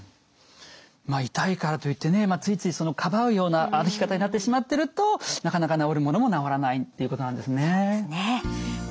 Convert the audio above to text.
まあ痛いからといってねついついそのかばうような歩き方になってしまってるとなかなか治るものも治らないっていうことなんですね。